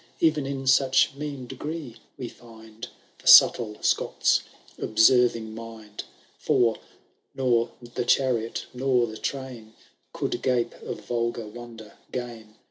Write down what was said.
Even in such mean degree we find The subtle Scot^s observing mind ; For, nor the chariot nor the train Could gape of vulgar wonder gain.